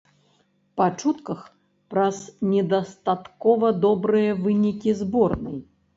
Па чутках, праз недастаткова добрыя вынікі зборнай.